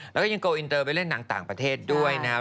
แล้วก็ยังโกอินเตอร์ไปเล่นหนังต่างประเทศด้วยนะครับ